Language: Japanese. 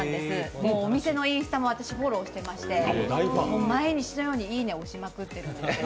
もうお店のインスタも私フォローしてまして毎日のように、いいね押しまくってるんですよ。